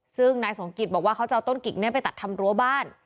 ซึ่งนายสมกิจบอกว่าเขาจะเอาต้นกิ่งนี้ไปตัดทำรั้วบ้าน